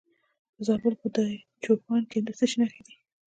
د زابل په دایچوپان کې د څه شي نښې دي؟